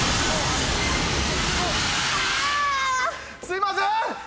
すいません！